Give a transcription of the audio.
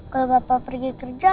kalau papa pergi kerja